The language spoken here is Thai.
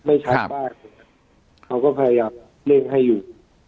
ไม่ชัดบ้างเขาก็พยายามเล่นให้อยู่